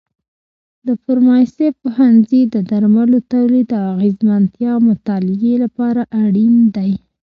د فارمسي پوهنځی د درملو تولید او اغیزمنتیا مطالعې لپاره اړین دی.